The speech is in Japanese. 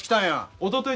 おととい